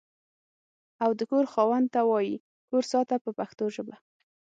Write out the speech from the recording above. او د کور خاوند ته وایي کور ساته په پښتو ژبه.